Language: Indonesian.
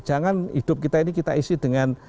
jangan hidup kita ini kita isi dengan